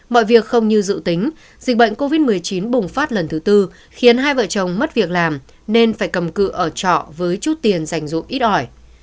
mọi việc không như dự tính dịch bệnh covid một mươi chín bùng phát lần thứ tư khiến hai vợ chồng mất việc làm nên phải cầm cự ở trọ với chút tiền dành dụng ít ỏi